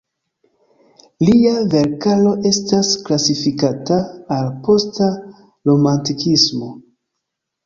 Lia verkaro estas klasifikata al posta romantikismo.